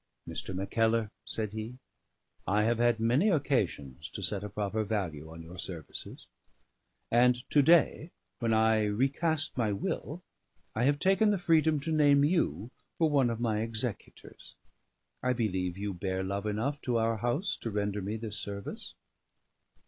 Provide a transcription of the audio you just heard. "Mr. Mackellar," said he, "I have had many occasions to set a proper value on your services; and to day, when I re cast my will, I have taken the freedom to name you for one of my executors. I believe you bear love enough to our house to render me this service."